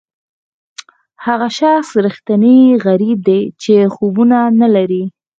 هغه شخص ریښتینی غریب دی چې خوبونه نه لري.